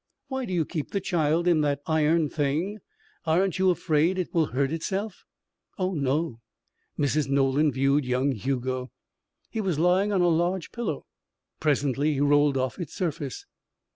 "Why do you keep the child in that iron thing? Aren't you afraid it will hurt itself?" "Oh, no." Mrs. Nolan viewed young Hugo. He was lying on a large pillow. Presently he rolled off its surface.